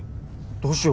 どうしよう。